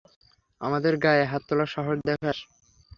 আমাদের গায়ে হাত তোলার সাহস দেখাস!